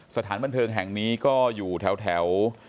สถานบันเทิงแห่งนี้ก็อยู่แถว